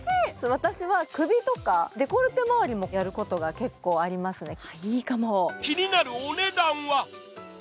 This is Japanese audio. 私は首とかデコルテまわりとかやることありますね。